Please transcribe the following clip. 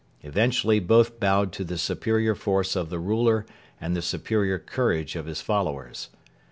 Eventually both bowed to the superior force of the ruler and the superior courage of his followers.